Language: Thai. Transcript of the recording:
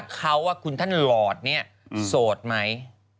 เขาว่าคุณท่านหลอดเนี่ยโสดไหม